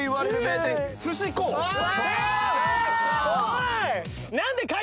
おい！